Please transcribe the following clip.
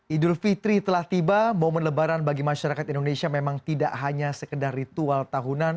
idul fitri telah tiba momen lebaran bagi masyarakat indonesia memang tidak hanya sekedar ritual tahunan